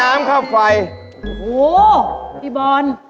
โอ้ไม่ได้คิกด้วย